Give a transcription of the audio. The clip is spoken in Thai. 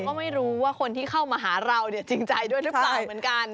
ก็ไม่รู้ว่าคนที่เข้ามาหาเราเนี่ยจริงใจด้วยหรือเปล่าเหมือนกัน